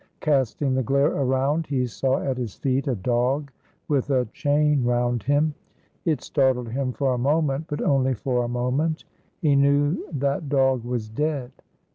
Casting the glare around he saw at his feet a dog with a chain round him. It startled him for a moment but only for a moment. He knew that dog was dead.